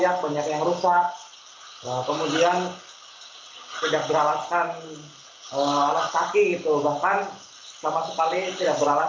jadi kalau malam di situ ada sebuah sahaya dari balik bukit yang sangat terang